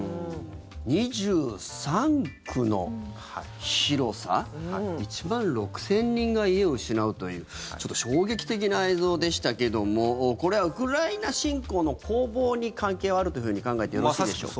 ２３区の広さ１万６０００人が家を失うというちょっと衝撃的な映像でしたけどもこれはウクライナ侵攻の攻防に関係はあるというふうに考えてよろしいでしょうか。